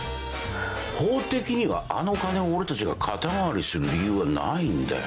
法的にはあの金を俺たちが肩代わりする理由はないんだ。